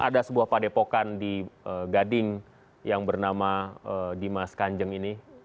ada sebuah padepokan di gading yang bernama dimas kanjeng ini